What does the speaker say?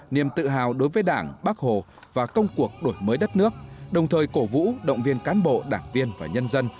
niềm tự hào đối với đảng bác hồ và công cuộc đổi mới đất nước đồng thời cổ vũ động viên cán bộ đảng viên và nhân dân